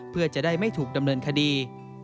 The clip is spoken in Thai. เพื่อจะได้ไม่ถูกดำเนินคดี